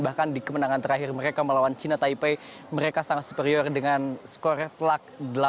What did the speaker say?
bahkan di kemenangan terakhir mereka melawan china taipei mereka sangat superior dengan skor telak delapan